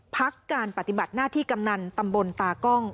พักการปฏิบัติหน้าที่กำนันตำบลตากล้อง